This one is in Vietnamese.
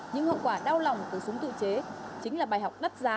những hậu quả đau lòng từ súng tự chế chính là bài học đắt giá